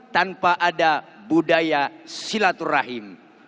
tanpa ada budaya silaturahim